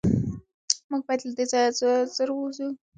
موږ باید له دې ځایه زر ووځو.